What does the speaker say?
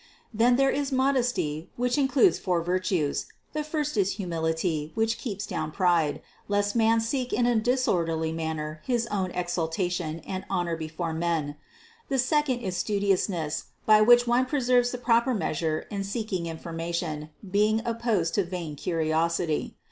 Then there is modesty, which includes four vir tues; the first one is humility, which keeps down pride, lest man seek in a disorderly manner his own exaltation and honor before men; the second is studiousness, by which one preserves the proper measure in seeking infor mation, being opposed to vain curiosity.